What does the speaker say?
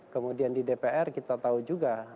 kemudian di dpr kita tahu juga